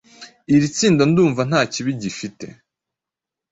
Iri tsindandumvanta kibi gifite